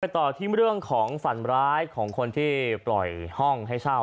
ต่อที่เรื่องของฝันร้ายของคนที่ปล่อยห้องให้เช่า